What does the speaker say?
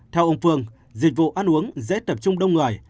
theo ông phương dịch vụ ăn uống dễ tập trung đông người